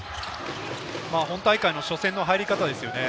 本大会の初戦の入り方ですよね。